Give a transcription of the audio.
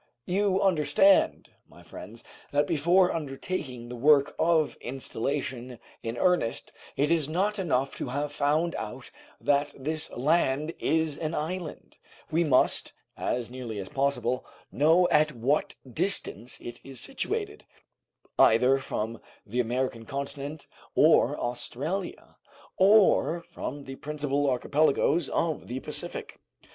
You understand, my friends, that before undertaking the work of installation in earnest it is not enough to have found out that this land is an island; we must, as nearly as possible, know at what distance it is situated, either from the American continent or Australia, or from the principal archipelagoes of the Pacific."